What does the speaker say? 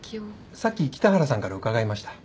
さっき北原さんから伺いました。